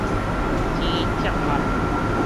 天拆箬